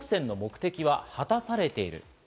軍事作戦の目的は果たされている。